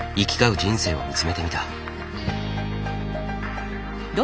人生を見つめてみた。